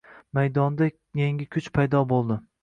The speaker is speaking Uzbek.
Maydonda yangi kuch paydo bo’ldi